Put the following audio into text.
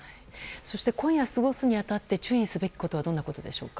そして、今夜過ごすに当たって注意すべきことはどんなことでしょうか。